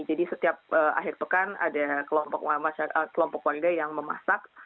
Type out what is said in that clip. jadi setiap akhir tekan ada kelompok warga yang memasak